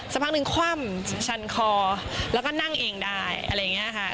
สักพักหนึ่งคว่ำชันคอแล้วก็นั่งเองได้อะไรอย่างนี้ค่ะ